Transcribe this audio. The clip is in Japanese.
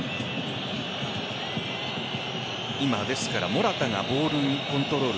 モラタがボールコントロール